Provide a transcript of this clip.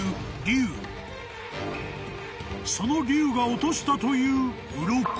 ［その龍が落としたという鱗］